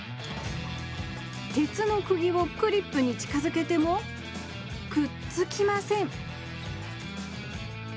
鉄のくぎをクリップに近づけてもくっつきません